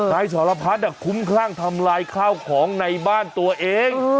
นายสวรรพัดคุ้มคร่างทำลายข้าวของในบ้านตัวเอง